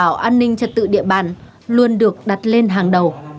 nhiệm vụ đảm bảo an ninh trật tự địa bàn luôn được đặt lên hàng đầu